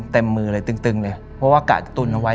เต็มมือเลยตึงเลยเพราะว่าอากาศจะตุ่นไว้